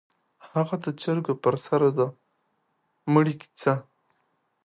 _هغه د چرګو پر سر د مړي کيسه؟